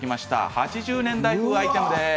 ８０年代風アイテムです。